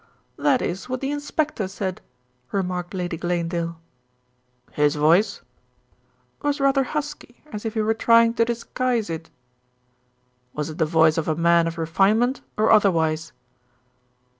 "That is what the inspector said," remarked Lady Glanedale. "His voice?" "Was rather husky, as if he were trying to disguise it." "Was it the voice of a man of refinement or otherwise?"